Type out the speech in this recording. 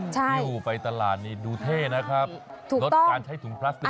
พี่หูไปตลาดนี้ดูเท่นะครับรถการใช้ถุงพลาสติกด้วย